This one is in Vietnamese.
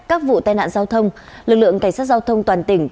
các vụ tai nạn giao thông lực lượng tài xếp giao thông toàn tỉnh